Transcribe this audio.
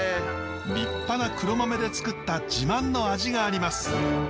立派な黒豆でつくった自慢の味があります。